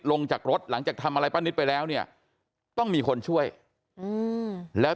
ลงจากรถหลังจากทำอะไรป้านิตไปแล้วเนี่ยต้องมีคนช่วยแล้ว